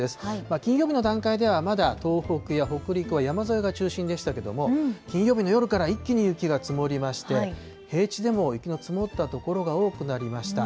金曜日の段階では、まだ東北や北陸は、山沿いが中心でしたけども、金曜日の夜から一気に雪が積もりまして、平地でも雪の積もった所が多くなりました。